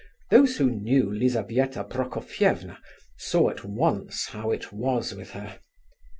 Those who knew Lizabetha Prokofievna saw at once how it was with her.